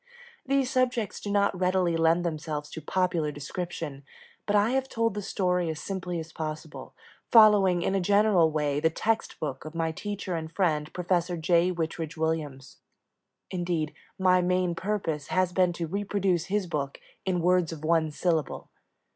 These subjects do not readily lend themselves to popular description, but I have told the story as simply as possible, following in a general way the text book of my teacher and friend, Professor J. Whitridge Williams; indeed, my main purpose has been to reproduce his book "in words of one syllable."